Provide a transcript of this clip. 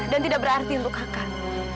dan tidak berarti untuk kakak